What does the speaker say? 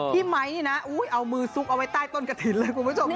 ไมค์นี่นะเอามือซุกเอาไว้ใต้ต้นกระถิ่นเลยคุณผู้ชม